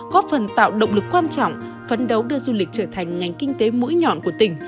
góp phần tạo động lực quan trọng phấn đấu đưa du lịch trở thành ngành kinh tế mũi nhọn của tỉnh